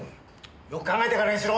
よく考えてからにしろ！